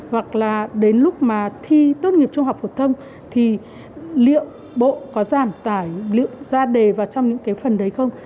hoặc là đến lúc mà thi tốt nghiệp trung học phổ thông thì liệu bộ có giảm tải liệu ra đề vào trong những cái phần đấy không